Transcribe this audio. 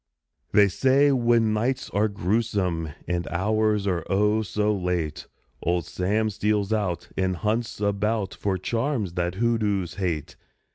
_ They say when nights are grewsome And hours are, oh! so late, Old Sam steals out And hunts about For charms that hoodoos hate!